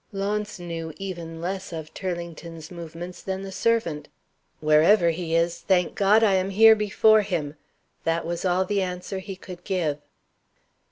Launce knew even less of Turlington's movements than the servant. "Wherever he is, thank God, I am here before him!" That was all the answer he could give.